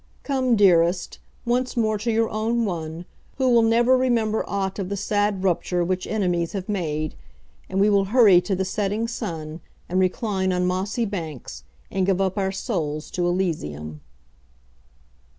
Come, dearest, once more to your own one, who will never remember aught of the sad rupture which enemies have made, and we will hurry to the setting sun, and recline on mossy banks, and give up our souls to Elysium.